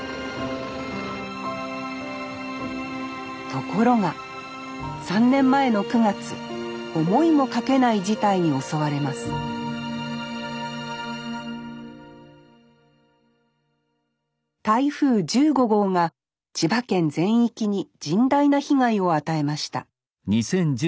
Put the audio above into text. ところが３年前の９月思いもかけない事態に襲われます台風１５号が千葉県全域に甚大な被害を与えました。